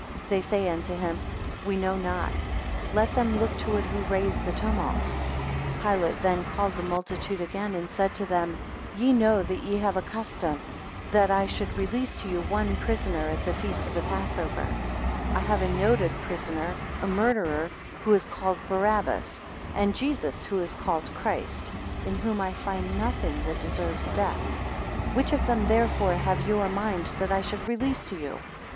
2 They say unto him, We know not; let them look to it who raise the tumult. 3 Pilate then called the multitude again, and said to them, Ye know that ye have a custom, that I should release to you one prisoner at the feast of the passover: 4 I have a noted prisoner, a murderer, who is called Barabbas, and Jesus who is called Christ, in whom I find nothing that deserves death; which of them, therefore, have you a mind that I should release to you?